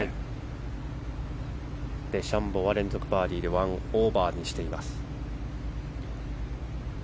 デシャンボーは連続バーディーで１オーバーにしています。